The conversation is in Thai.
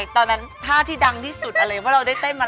เจนมาสอนประโยชน์เพลง๑๙๔๖